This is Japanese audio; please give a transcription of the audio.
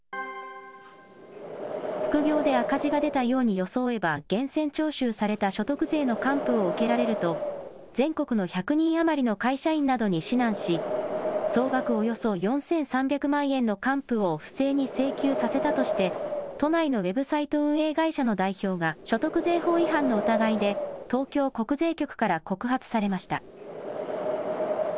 副業で赤字が出たように装えば、源泉徴収された所得税の還付を受けられると、全国の１００人余りの会社員などに指南し、総額およそ４３００万円の還付を不正に請求させたとして、都内のウェブサイト運営会社の代表が、所得税法違反の疑いで、東京国税局から告発されました。